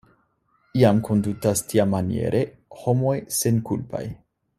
Iam kondutas tiamaniere homoj senkulpaj.